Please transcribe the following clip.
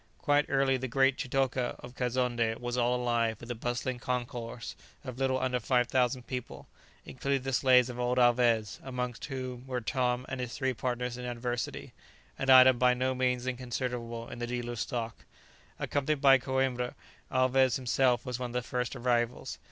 Quite early the great chitoka of Kazonndé was all alive with a bustling concourse of little under five thousand people, including the slaves of old Alvez, amongst whom were Tom and his three partners in adversity an item by no means inconsiderable in the dealer's stock. Accompanied by Coïmbra, Alvez himself was one of the first arrivals.